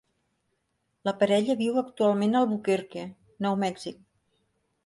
La parella viu actualment a Albuquerque, Nou Mèxic.